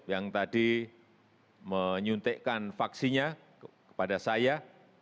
yang tadi menyuntikkan vaksinnya kepada saya